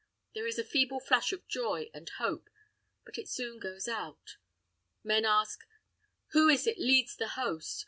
There is a feeble flash of joy and hope; but it soon goes out. Men ask, Who is it leads the host?